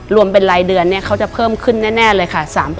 รวมเป็นรายเดือนเนี่ยเขาจะเพิ่มขึ้นแน่เลยค่ะ